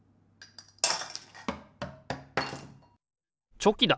チョキだ！